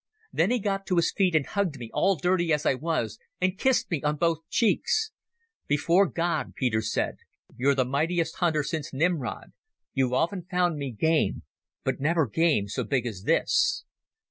"Then he got to his feet and hugged me, all dirty as I was, and kissed me on both cheeks. "'Before God, Peter,' he said, 'you're the mightiest hunter since Nimrod. You've often found me game, but never game so big as this!